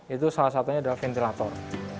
itu salah satunya adalah ventilator